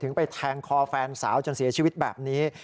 ไปแทงคอแฟนสาวจนเสียชีวิตแบบนี้